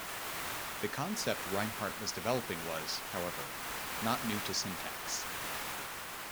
The concept Reinhart was developing was, however, not new to syntax.